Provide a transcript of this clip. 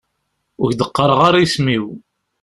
Ur ak-d-qqareɣ ara isem-iw.